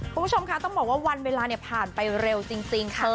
คุณผู้ชมคะต้องบอกว่าวันเวลาเนี่ยผ่านไปเร็วจริงค่ะ